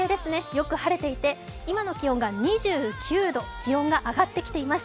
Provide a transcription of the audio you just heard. よく晴れていて、今の気温が２９度、気温が上がってきています。